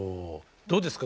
どうですか？